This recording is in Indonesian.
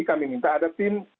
kami minta ada tim